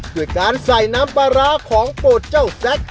ด้วยการใส่น้ำปลาร้าของโปรดเจ้าแซ็ก